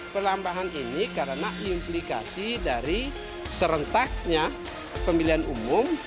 perlambahan ini karena implikasi dari serentaknya pemilihan umum